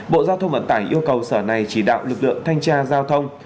bộ giao thông vận tải yêu cầu sở này chỉ đạo lực lượng thanh tra giao thông